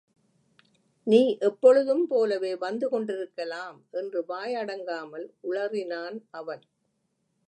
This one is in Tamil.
நீ எப்பொழுதும் போலவே வந்து கொண்டிருக்கலாம் என்று வாய் அடங்காமல் உளறினான் அவன்.